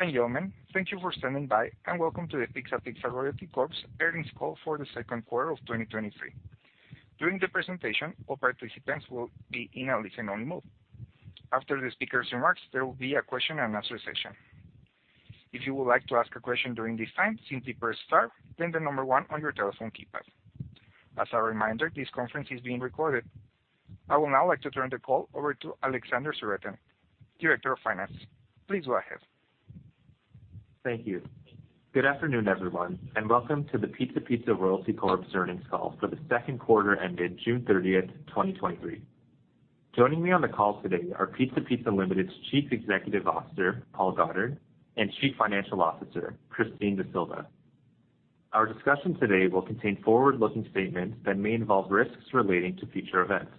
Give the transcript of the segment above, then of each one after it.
Ladies and gentlemen, thank you for standing by, and welcome to the Pizza Pizza Royalty Corp's earnings call for the second quarter of 2023. During the presentation, all participants will be in a listen-only mode. After the speaker's remarks, there will be a question and answer session. If you would like to ask a question during this time, simply press Star, then One on your telephone keypad. As a reminder, this conference is being recorded. I will now like to turn the call over to Alexander Sewrattan, Director of Finance. Please go ahead. Thank you. Good afternoon, everyone, and welcome to the Pizza Pizza Royalty Corp's earnings call for the second quarter ended June 30th, 2023. Joining me on the call today are Pizza Pizza Limited's Chief Executive Officer, Paul Goddard, and Chief Financial Officer, Christine D'Sylva. Our discussion today will contain forward-looking statements that may involve risks relating to future events.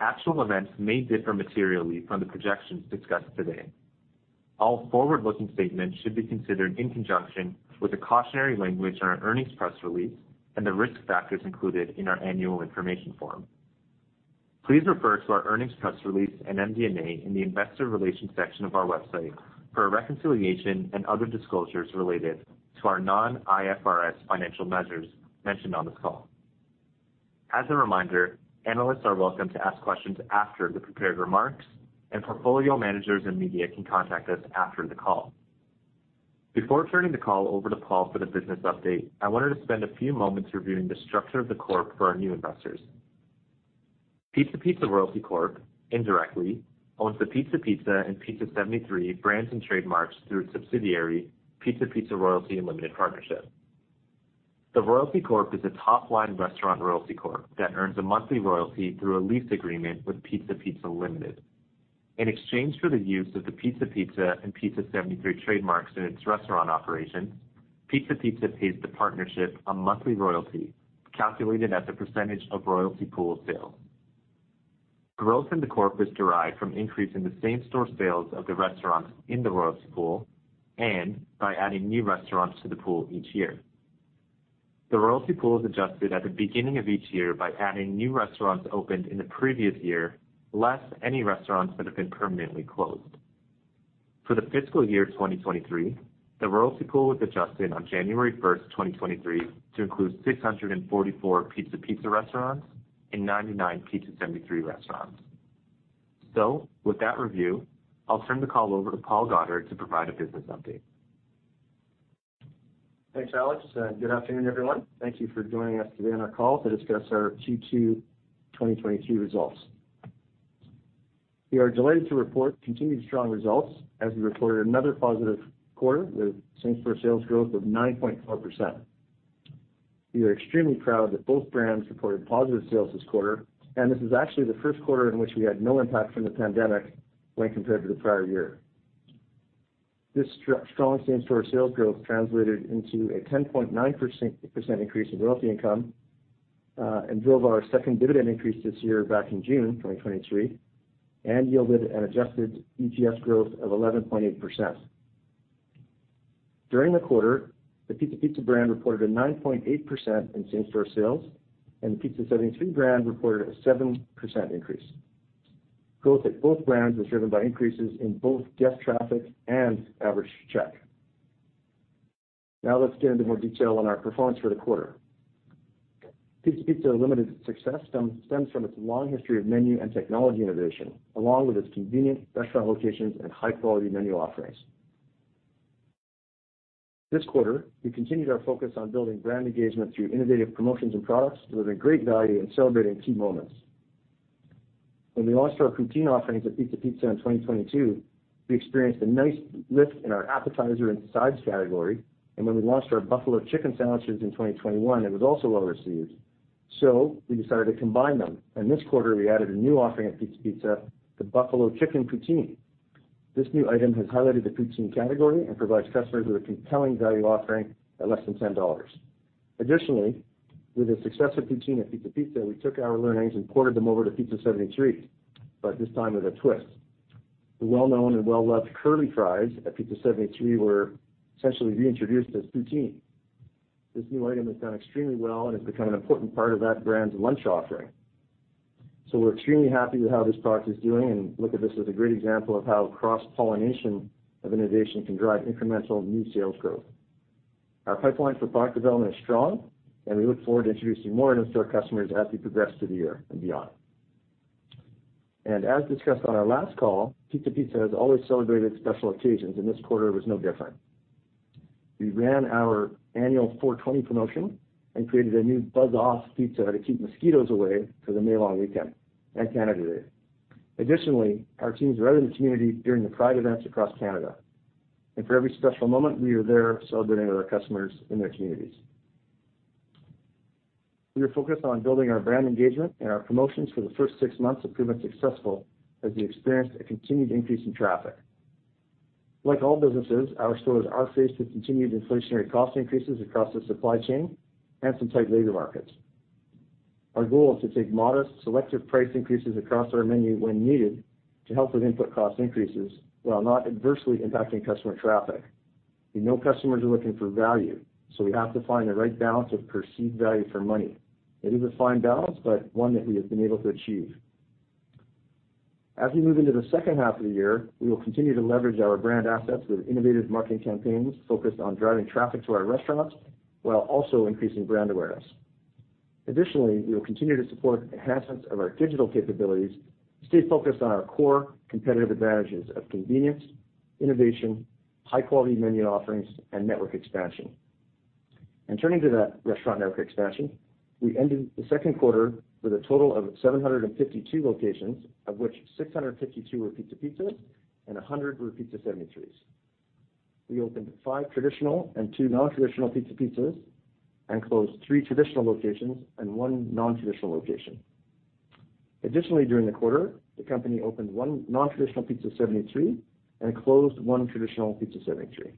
Actual events may differ materially from the projections discussed today. All forward-looking statements should be considered in conjunction with the cautionary language in our earnings press release and the risk factors included in our Annual Information Form. Please refer to our earnings press release and MD&A in the investor relations section of our website for a reconciliation and other disclosures related to our non-IFRS financial measures mentioned on this call. As a reminder, analysts are welcome to ask questions after the prepared remarks, and portfolio managers and media can contact us after the call. Before turning the call over to Paul for the business update, I wanted to spend a few moments reviewing the structure of the Corp for our new investors. Pizza Pizza Royalty Corp indirectly owns the Pizza Pizza and Pizza 73 brands and trademarks through its subsidiary, Pizza Pizza Royalty and Limited Partnership. The Royalty Corp is a top-line restaurant Royalty Corp that earns a monthly royalty through a lease agreement with Pizza Pizza Limited. In exchange for the use of the Pizza Pizza and Pizza 73 trademarks in its restaurant operations, Pizza Pizza pays the partnership a monthly royalty calculated as a percentage of Royalty Pool sale. Growth in the Corp is derived from increase in the same-store sales of the restaurants in the Royalty Pool and by adding new restaurants to the pool each year. The Royalty Pool is adjusted at the beginning of each year by adding new restaurants opened in the previous year, less any restaurants that have been permanently closed. For the fiscal year 2023, the Royalty Pool was adjusted on January 1st, 2023, to include 644 Pizza Pizza restaurants and 99 Pizza 73 restaurants. With that review, I'll turn the call over to Paul Goddard to provide a business update. Thanks, Alex. Good afternoon, everyone. Thank you for joining us today on our call to discuss our Q2 2023 results. We are delighted to report continued strong results as we reported another positive quarter with same-store sales growth of 9.4%. We are extremely proud that both brands reported positive sales this quarter, and this is actually the first quarter in which we had no impact from the pandemic when compared to the prior year. This strong same-store sales growth translated into a 10.9% increase in royalty income and drove our second dividend increase this year back in June 2023, and yielded an adjusted EPS growth of 11.8%. During the quarter, the Pizza Pizza brand reported a 9.8% in same-store sales, and the Pizza 73 brand reported a 7% increase. Growth at both brands was driven by increases in both guest traffic and average check. Now let's get into more detail on our performance for the quarter. Pizza Pizza Limited's success stems from its long history of menu and technology innovation, along with its convenient restaurant locations and high-quality menu offerings. This quarter, we continued our focus on building brand engagement through innovative promotions and products, delivering great value and celebrating key moments. When we launched our Poutine offerings at Pizza Pizza in 2022, we experienced a nice lift in our appetizer and sides category, and when we launched our Buffalo Chicken Sandwich in 2021, it was also well received. We decided to combine them, and this quarter we added a new offering at Pizza Pizza, the Buffalo Chicken Poutine. This new item has highlighted the Poutine category and provides customers with a compelling value offering at less than 10 dollars. Additionally, with the success of Poutine at Pizza Pizza, we took our learnings and ported them over to Pizza 73, but this time with a twist. The well-known and well-loved Curly Fries at Pizza 73 were essentially reintroduced as Poutine. We're extremely happy with how this product is doing and look at this as a great example of how cross-pollination of innovation can drive incremental new sales growth. Our pipeline for product development is strong, and we look forward to introducing more items to our customers as we progress through the year and beyond. As discussed on our last call, Pizza Pizza has always celebrated special occasions, and this quarter was no different. We ran our annual 4/20 promotion and created a new Buzz Off Pizza to keep mosquitoes away for the May long weekend and Canada Day. Additionally, our teams are out in the community during the pride events across Canada, and for every special moment, we are there celebrating with our customers in their communities. We are focused on building our brand engagement, and our promotions for the first six months have proven successful as we experienced a continued increase in traffic. Like all businesses, our stores are faced with continued inflationary cost increases across the supply chain and some tight labor markets. Our goal is to take modest, selective price increases across our menu when needed to help with input cost increases while not adversely impacting customer traffic. We know customers are looking for value, so we have to find the right balance of perceived value for money. It is a fine balance, but one that we have been able to achieve. As we move into the second half of the year, we will continue to leverage our brand assets with innovative marketing campaigns focused on driving traffic to our restaurants, while also increasing brand awareness. Additionally, we will continue to support enhancements of our digital capabilities to stay focused on our core competitive advantages of convenience, innovation, high-quality menu offerings, and network expansion. Turning to that restaurant network expansion, we ended the second quarter with a total of 752 locations, of which 652 were Pizza Pizzas and 100 were Pizza 73s. We opened five traditional and two nontraditional Pizza Pizzas, and closed three traditional locations and one nontraditional location. Additionally, during the quarter, the company opened one nontraditional Pizza 73 and closed one traditional Pizza 73.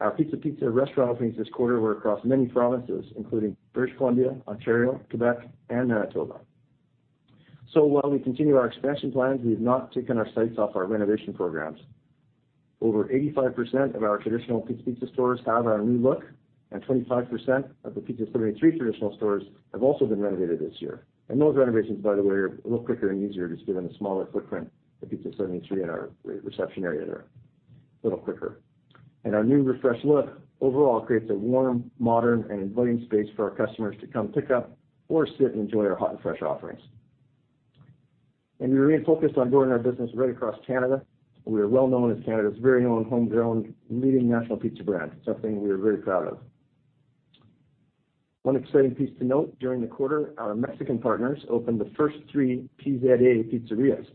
Our Pizza Pizza restaurant openings this quarter were across many provinces, including British Columbia, Ontario, Quebec, and Manitoba. While we continue our expansion plans, we have not taken our sights off our renovation programs. Over 85% of our traditional Pizza Pizza stores have our new look, and 25% of the Pizza 73 traditional stores have also been renovated this year. Those renovations, by the way, are a little quicker and easier, just given the smaller footprint of Pizza 73 and our reception area there, a little quicker. Our new refreshed look overall creates a warm, modern, and inviting space for our customers to come pick up or sit and enjoy our hot and fresh offerings. We refocused on growing our business right across Canada. We are well known as Canada's very own homegrown leading national pizza brand, something we are very proud of. One exciting piece to note, during the quarter, our Mexican partners opened the first three PZA Pizzerias.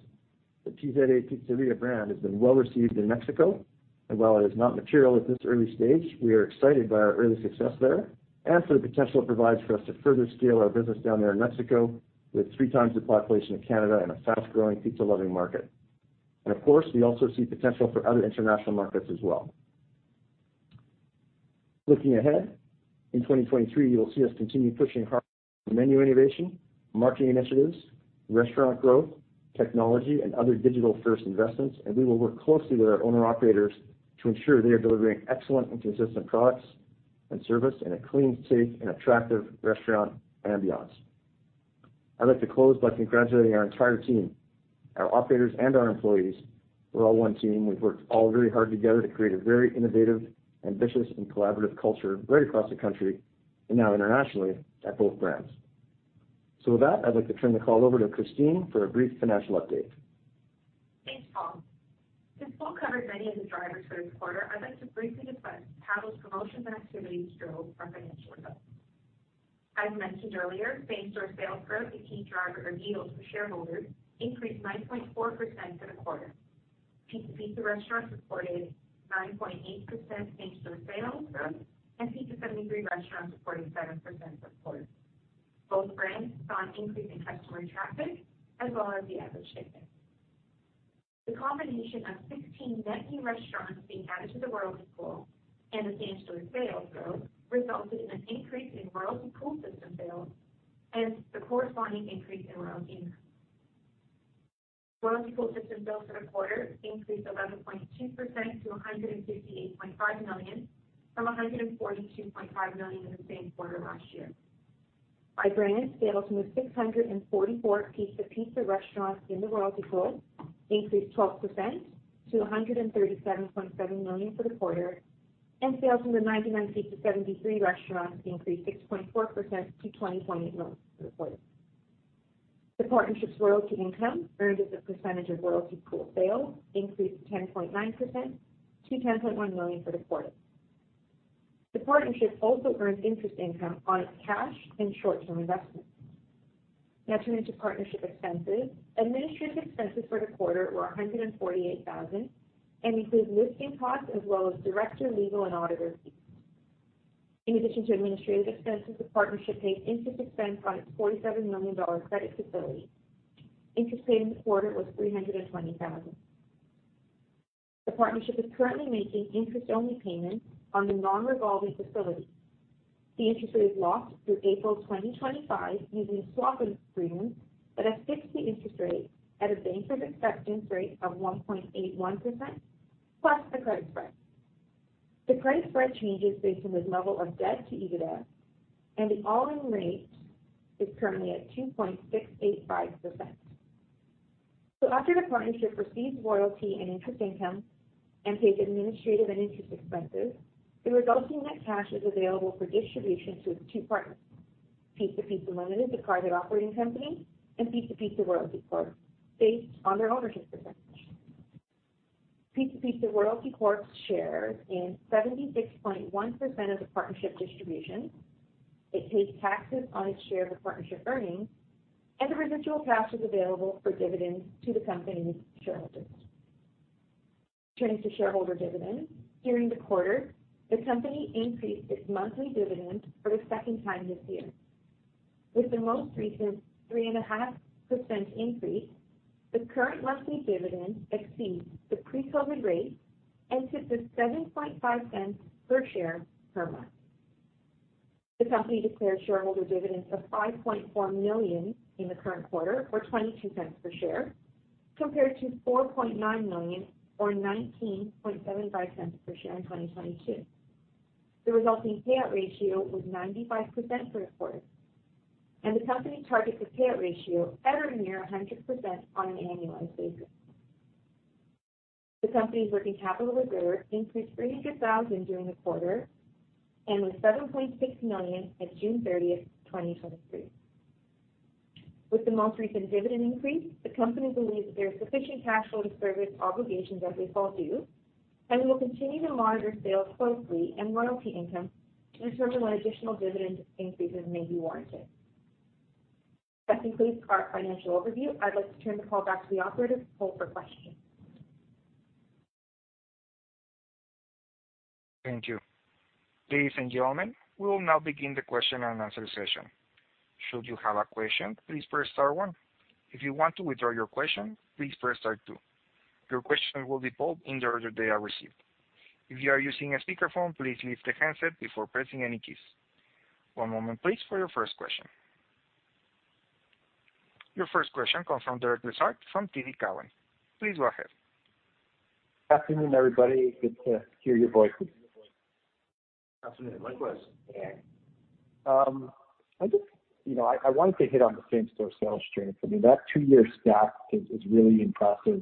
The PZA Pizzeria brand has been well received in Mexico, and while it is not material at this early stage, we are excited by our early success there and for the potential it provides for us to further scale our business down there in Mexico, with three times the population of Canada and a fast-growing, pizza-loving market. Of course, we also see potential for other international markets as well. Looking ahead, in 2023, you will see us continue pushing hard on menu innovation, marketing initiatives, restaurant growth, technology, and other digital-first investments. We will work closely with our owner-operators to ensure they are delivering excellent and consistent products and service in a clean, safe, and attractive restaurant ambiance. I'd like to close by congratulating our entire team, our operators and our employees. We're all one team. We've worked all very hard together to create a very innovative, ambitious, and collaborative culture right across the country and now internationally at both brands. With that, I'd like to turn the call over to Christine for a brief financial update. Thanks, Paul. Since Paul covered many of the drivers for this quarter, I'd like to briefly discuss how those promotions and activities drove our financial results. As mentioned earlier, same-store sales growth, a key driver or yield for shareholders, increased 9.4% for the quarter. Pizza Pizza restaurants supported 9.8% same-store sales growth, and Pizza 73 restaurants supported 7% support. Both brands saw an increase in customer traffic as well as the average ticket. The combination of 16 net new restaurants being added to the Royalty Pool and the same-store sales growth resulted in an increase in Royalty Pool System Sales and the corresponding increase in royalty income. Royalty Pool System Sales for the quarter increased 11.2% to 158.5 million, from 142.5 million in the same quarter last year. By brand, sales from the 644 Pizza Pizza restaurants in the Royalty Pool increased 12% to 137.7 million for the quarter, and sales from the 99 Pizza 73 restaurants increased 6.4% to 20.8 million for the quarter. The partnership's royalty income, earned as a percentage of Royalty Pool sales, increased 10.9% to 10.1 million for the quarter. The partnership also earned interest income on its cash and short-term investments. Now turning to partnership expenses. Administrative expenses for the quarter were 148,000 and include listing costs as well as director, legal, and auditor fees. In addition to administrative expenses, the partnership paid interest expense on its 47 million dollar credit facility. Interest paid in the quarter was 320,000. The partnership is currently making interest-only payments on the non-revolving facility. The interest rate is locked through April 2025, using a swap agreement that has fixed the interest rate at a Bankers' Acceptance rate of 1.81%, plus the credit spread. The credit spread changes based on the level of debt to EBITDA, and the all-in rate is currently at 2.685%. After the partnership receives royalty and interest income and pays administrative and interest expenses, the resulting net cash is available for distribution to its two partners, Pizza Pizza Limited, the private operating company, and Pizza Pizza Royalty Corp, based on their ownership percentage. Pizza Pizza Royalty Corp's share in 76.1% of the partnership distribution. It pays taxes on its share of the partnership earnings, and the residual cash is available for dividends to the company's shareholders. Turning to shareholder dividends. During the quarter, the company increased its monthly dividend for the second time this year. With the most recent 3.5% increase, the current monthly dividend exceeds the pre-COVID rate and sits at 0.075 per share per month. The company declared shareholder dividends of 5.4 million in the current quarter, or 0.22 per share, compared to 4.9 million, or 0.1975 per share in 2022. The resulting payout ratio was 95% for the quarter, and the company targets a payout ratio at or near 100% on an annualized basis. The company's working capital reserve increased 300,000 during the quarter and was 7.6 million at June 30th, 2023. With the most recent dividend increase, the company believes that there is sufficient cash flow to service obligations as they fall due. We will continue to monitor sales closely and royalty income to determine when additional dividend increases may be warranted. That concludes our financial overview. I'd like to turn the call back to the operator for questions. Thank you. Ladies and gentlemen, we will now begin the question and answer session. Should you have a question, please press Star One. If you want to withdraw your question, please press Star Two. Your question will be pulled in the order they are received. If you are using a speakerphone, please lift the handset before pressing any keys. One moment please, for your first question. Your first question comes from Derek Lessard from TD Cowen. Please go ahead. Good afternoon, everybody. Good to hear your voices. Afternoon, likewise. I just, you know, I, I wanted to hit on the same-store sales strength. I mean, that two-year stack is, is really impressive,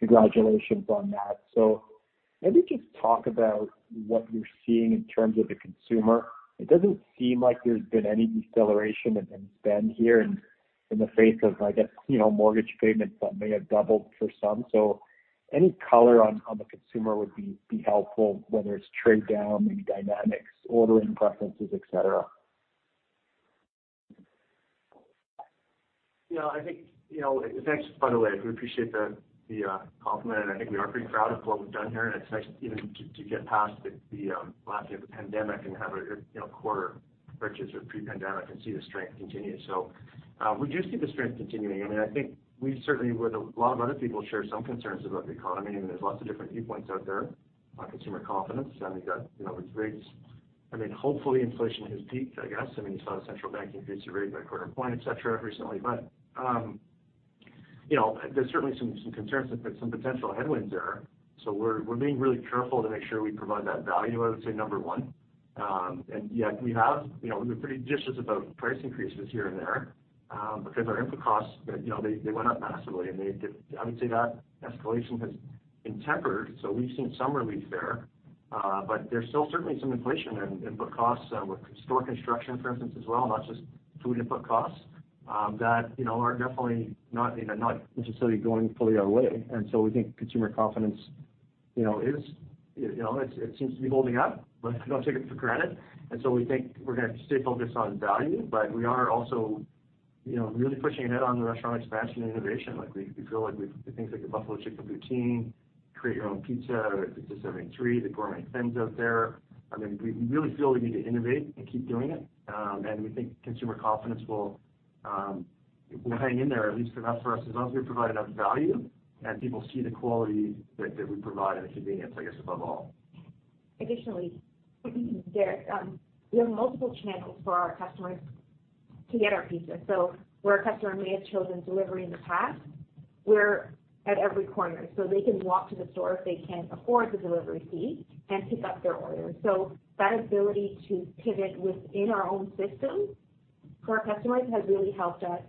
and congratulations on that. Maybe just talk about what you're seeing in terms of the consumer. It doesn't seem like there's been any deceleration in, in spend here and in the face of, I guess, you know, mortgage payments that may have doubled for some. Any color on, on the consumer would be, be helpful, whether it's trade down, any dynamics, ordering preferences, et cetera. Yeah, I think, you know, thanks, by the way, we appreciate the, the, compliment, and I think we are pretty proud of what we've done here, and it's nice even to, to get past the, the, lastly of the pandemic and have a, a, you know, quarter which is pre-pandemic and see the strength continue. We do see the strength continuing. I mean, I think we certainly, with a lot of other people, share some concerns about the economy, and there's lots of different viewpoints out there on consumer confidence. I mean, that, you know, with rates... I mean, hopefully, inflation has peaked, I guess. I mean, you saw the central bank increase the rate by a 0.25 point, et cetera, recently. You know, there's certainly some, some concerns, but some potential headwinds there. We're being really careful to make sure we provide that value, I would say, number one, and yet we have, you know, we've been pretty judicious about price increases here and there because our input costs, you know, they went up massively, and I would say that escalation has been tempered. We've seen some relief there, but there's still certainly some inflation in input costs with store construction, for instance, as well, not just food input costs, that, you know, are definitely not necessarily going fully our way. We think consumer confidence, you know, is it seems to be holding up, but we don't take it for granted. We think we're gonna stay focused on value. We are also, you know, really pushing ahead on the restaurant expansion and innovation. Like, we feel like with things like the Buffalo Chicken Poutine, Create Your Own Pizza, or Pizza 73, the Gourmet Thins out there, I mean, we really feel we need to innovate and keep doing it. We think consumer confidence will, will hang in there at least enough for us, as long as we provide enough value and people see the quality that, that we provide and the convenience, I guess, above all. Additionally, Derek, we have multiple channels for our customers to get our pizza. Where a customer may have chosen delivery in the past, we're at every corner, so they can walk to the store if they can't afford the delivery fee and pick up their order. That ability to pivot within our own system for our customers has really helped us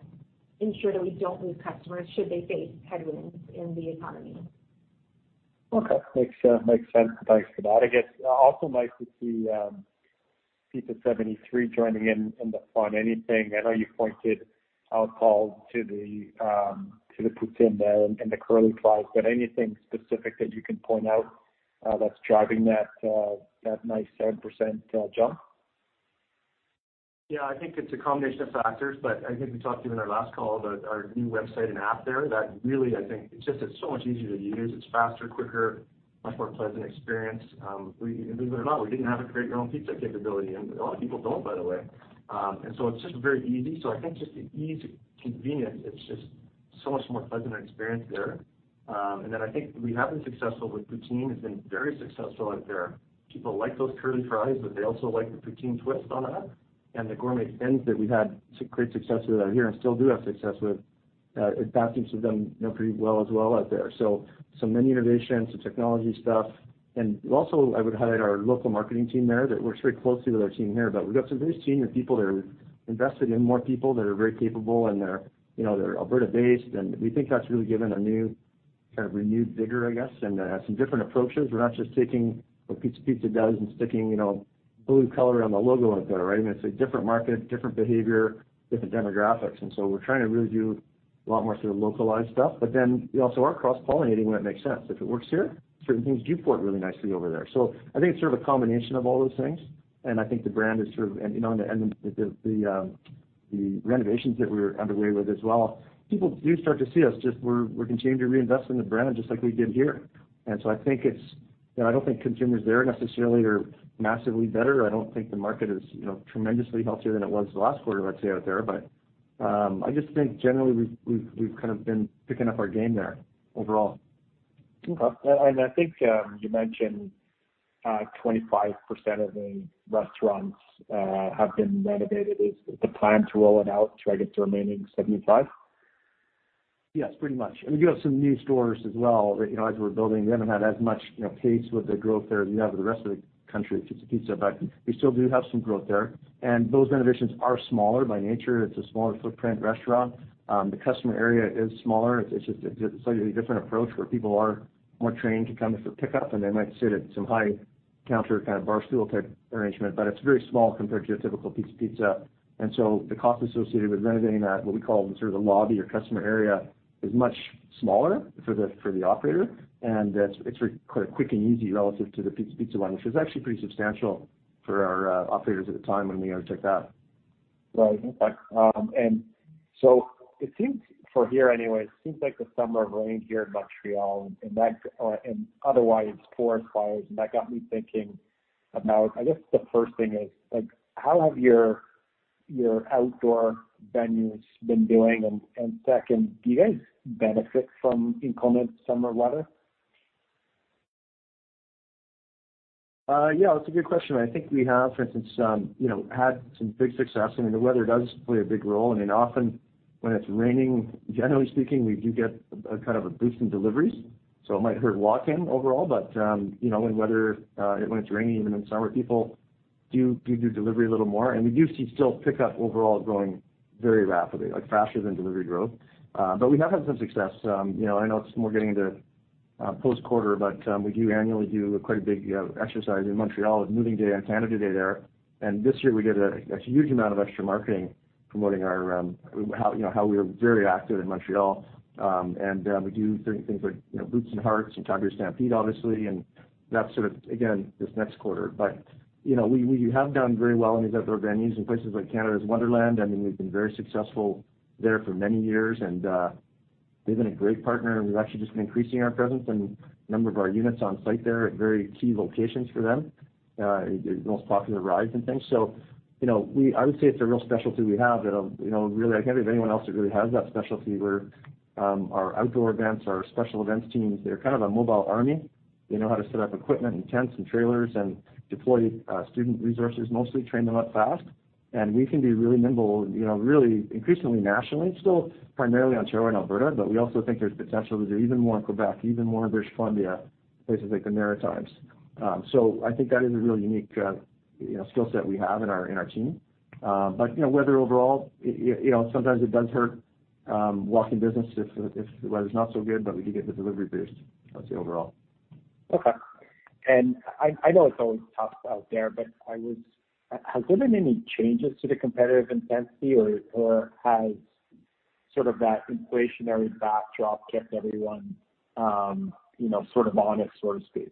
ensure that we don't lose customers, should they face headwinds in the economy. Okay, makes sense. Thanks for that. I guess also nice to see Pizza 73 joining in, in the fun. Anything, I know you pointed out, Paul, to the Poutine there and the Curly Fries, but anything specific that you can point out that's driving that nice 7% jump? Yeah, I think it's a combination of factors, but I think we talked to you in our last call about our new website and app there. That really, I think, it's so much easier to use. It's faster, quicker, much more pleasant experience. We, believe it or not, we didn't have a Create Your Own Pizza capability, and a lot of people don't, by the way, and so it's just very easy. I think just the ease, convenience, it's just so much more pleasant an experience there. Then I think we have been successful with poutine, has been very successful out there. People like those curly fries, but they also like the poutine twist on it. And the Gourmet Thins that we've had great success with out here and still do have success with, it continues to do, you know, pretty well as well out there. So many innovations to technology stuff. Also, I would highlight our local marketing team there, that works very closely with our team here. We've got some very senior people that are invested in more people, that are very capable, and they're, you know, they're Alberta-based, and we think that's really given a new, kind of, renewed vigor, I guess, and some different approaches. We're not just taking what Pizza Pizza does and sticking, you know, blue color on the logo out there, right? I mean, it's a different market, different behavior, different demographics. So we're trying to really do a lot more sort of localized stuff. Then we also are cross-pollinating when it makes sense. If it works here, certain things do port really nicely over there. I think it's sort of a combination of all those things, and I think the brand is sort of... You know, the renovations that we're underway with as well, people do start to see us. Just we're, we're continuing to reinvest in the brand, just like we did here. I think it's, you know, I don't think consumers there necessarily are massively better. I don't think the market is, you know, tremendously healthier than it was last quarter, I'd say, out there, but, I just think generally, we've, we've, we've kind of been picking up our game there overall. Okay. I think, you mentioned, 25% of the restaurants, have been renovated. Is the plan to roll it out to, I guess, the remaining 75%? Yes, pretty much. We do have some new stores as well, that, you know, as we're building, we haven't had as much, you know, pace with the growth there as we have in the rest of the country with Pizza Pizza, but we still do have some growth there. Those renovations are smaller by nature. It's a smaller footprint restaurant. The customer area is smaller. It's, it's just a slightly different approach, where people are more trained to come for pickup, and they might sit at some high counter, kind of, bar stool type arrangement. But it's very small compared to your typical Pizza Pizza. The cost associated with renovating that, what we call the sort of the lobby or customer area, is much smaller for the, for the operator, and it's, it's quite a quick and easy relative to the Pizza Pizza one, which is actually pretty substantial for our operators at the time when we undertook that. Right. It seems, for here anyway, it seems like the summer of rain here in Montreal, and that, otherwise forest fires. That got me thinking about, I guess, the first thing is, like, how have your, your outdoor venues been doing? Second, do you guys benefit from inclement summer weather? Yeah, that's a good question. I think we have, for instance, you know, had some big success. I mean, the weather does play a big role, and often, when it's raining, generally speaking, we do get a, kind of, a boost in deliveries. It might hurt walk-in overall, but, you know, in weather, when it's raining, even in summer, people do, do do delivery a little more, and we do see still pick up overall growing very rapidly, like, faster than delivery growth. But we have had some success. You know, I know it's more getting into, close quarter, but, we do annually do quite a big exercise in Montreal, Moving Day and Canada Day there. This year, we did a, a huge amount of extra marketing promoting our, how, you know, how we are very active in Montreal. We do certain things like, you know, Boots & Hearts and Calgary Stampede, obviously, and that's sort of, again, this next quarter. You know, we, we have done very well in these outdoor venues in places like Canada's Wonderland. I mean, we've been very successful there for many years, and they've been a great partner, and we've actually just been increasing our presence and number of our units on site there at very key locations for them, the most popular rides and things. You know, we-- I would say it's a real specialty we have that, you know, really, I can't think of anyone else that really has that specialty, where, our outdoor events, our special events teams, they're kind of a mobile army. They know how to set up equipment and tents and trailers and deploy, student resources, mostly train them up fast. We can be really nimble, you know, really increasingly nationally, still primarily Ontario and Alberta, but we also think there's potential to do even more in Quebec, even more in British Columbia, places like the Maritimes. So I think that is a really unique, you know, skill set we have in our, in our team. You know, weather overall, you know, sometimes it does hurt, walk-in business if, if the weather's not so good, but we do get the delivery boost, I would say, overall. Okay. I know it's always tough out there, but has there been any changes to the competitive intensity, or, or has sort of that inflationary backdrop kept everyone, you know, sort of, honest, so to speak?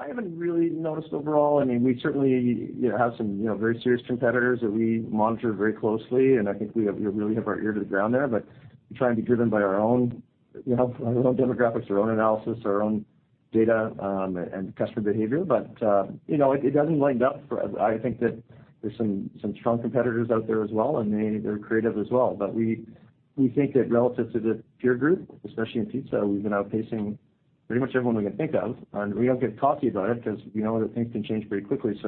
I haven't really noticed overall. I mean, we certainly, you know, have some, you know, very serious competitors that we monitor very closely, and I think we have, we really have our ear to the ground there. We're trying to be driven by our own, you know, our own demographics, our own analysis, our own data, and customer behavior. You know, it, it doesn't lighten up for... I think that there's some, some strong competitors \ out there as well, and they, they're creative as well. We, we think that relative to the peer group, especially in pizza, we've been outpacing pretty much everyone we can think of. We don't get cocky about it, because we know that things can change pretty quickly.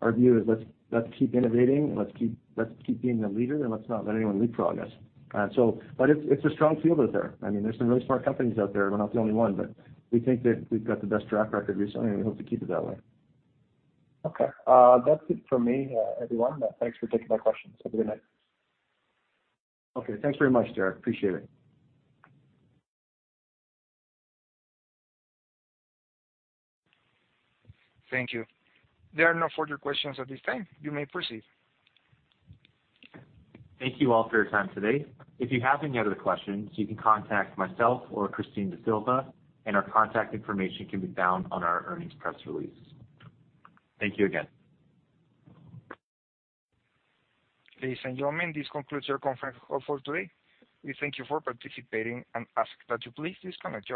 Our view is, let's, let's keep innovating, and let's keep, let's keep being the leader, and let's not let anyone leapfrog us. It's, it's a strong field out there. I mean, there's some really smart companies out there. We're not the only one, but we think that we've got the best track record recently, and we hope to keep it that way. Okay, that's it for me, everyone. Thanks for taking my questions. Have a good night. Okay, thanks very much, Derek. Appreciate it. Thank you. There are no further questions at this time. You may proceed. Thank you all for your time today. If you have any other questions, you can contact myself or Christine D'Sylva. Our contact information can be found on our earnings press release. Thank you again. Ladies and gentlemen, this concludes your conference call for today. We thank you for participating and ask that you please disconnect your lines.